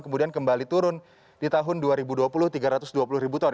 kemudian kembali turun di tahun dua ribu dua puluh tiga ratus dua puluh ribu ton